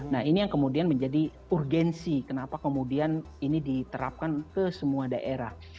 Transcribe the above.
nah ini yang kemudian menjadi urgensi kenapa kemudian ini diterapkan ke semua daerah